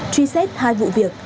truy xét hai vụ việc